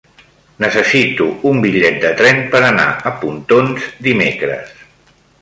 Necessito un bitllet de tren per anar a Pontons dimecres.